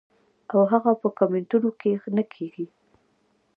او هغه پۀ کمنټونو کښې نۀ کيږي -